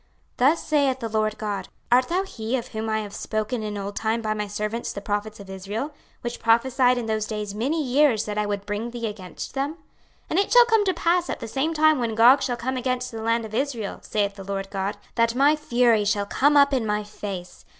26:038:017 Thus saith the Lord GOD; Art thou he of whom I have spoken in old time by my servants the prophets of Israel, which prophesied in those days many years that I would bring thee against them? 26:038:018 And it shall come to pass at the same time when Gog shall come against the land of Israel, saith the Lord GOD, that my fury shall come up in my face.